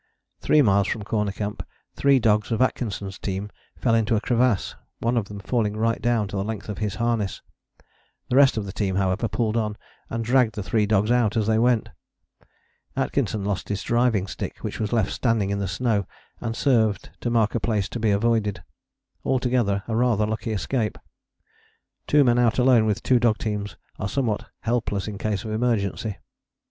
Three miles from Corner Camp three dogs of Atkinson's team fell into a crevasse, one of them falling right down to the length of his harness. The rest of the team, however, pulled on, and dragged the three dogs out as they went. Atkinson lost his driving stick, which was left standing in the snow and served to mark a place to be avoided. Altogether a rather lucky escape: two men out alone with two dog teams are somewhat helpless in case of emergency.